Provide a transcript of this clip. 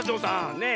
ねえ。